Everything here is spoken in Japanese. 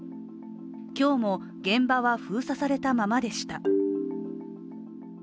今日も現場は封鎖されたままでした。